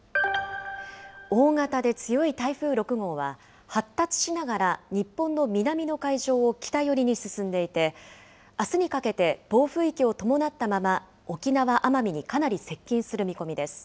大型で強い台風６号は、発達しながら日本の南の海上を北寄りに進んでいて、あすにかけて暴風域を伴ったまま、沖縄・奄美にかなり接近する見込みです。